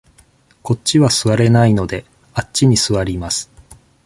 こっちは座れないので、あっちに座ります。